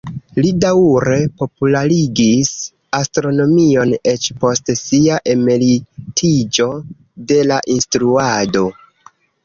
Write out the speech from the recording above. Li daŭre popularigis astronomion eĉ post sia emeritiĝo de la instruado.